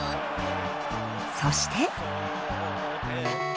そして。